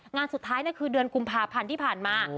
งานสุดท้ายคือเดือนกุมภาพันธ์ที่ผ่านมา